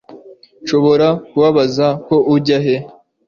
Nshobora kubaza ko ujya he